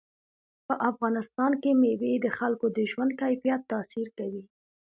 په افغانستان کې مېوې د خلکو د ژوند کیفیت تاثیر کوي.